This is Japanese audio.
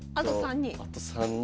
あと３人。